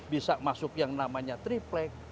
bisa masuk yang namanya triplek